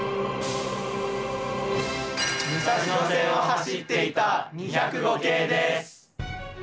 武蔵野線を走っていた２０５系です。